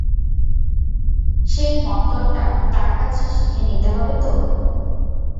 সেই মন্তরটা তার কাছে শিখে নিতে হবে তো।